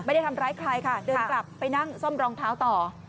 ไม่ได้ทำร้ายใครค่ะเดินกลับไปนั่งซ่อมรองเท้าต่อ